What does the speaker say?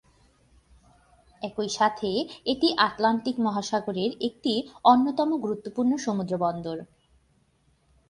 একই সাথে এটি আটলান্টিক মহাসাগরের একটি অন্যতম গুরুত্বপূর্ণ সমুদ্রবন্দর।